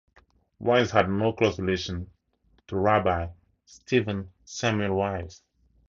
Wise had no close relation to Rabbi Stephen Samuel Wise.